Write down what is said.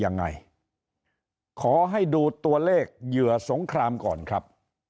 ยังไงขอให้ดูตัวเลขเหยื่อสงครามก่อนครับ